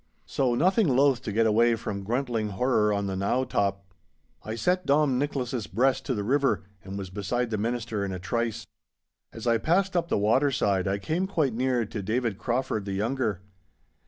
So, nothing loath to get away from gruntling horror on the knowe top, I set Dom Nicholas's breast to the river, and was beside the Minister in a trice. As I passed up the waterside I came quite near to David Crauford the younger.